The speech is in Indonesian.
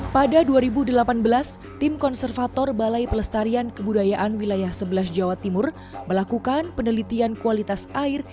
pada dua ribu delapan belas tim konservator balai pelestarian kebudayaan wilayah sebelas jawa timur melakukan penelitian kualitas air